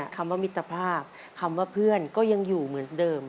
คำว่ามิตรภาพคำว่าเพื่อนก็ยังอยู่เหมือนเดิม